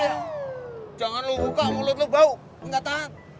eh jangan lo buka mulut lo bau enggak tahan